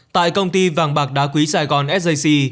tại công ty vàng bạc đá quý sài gòn sjc